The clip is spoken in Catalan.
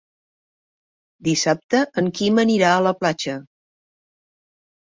Dissabte en Quim anirà a la platja.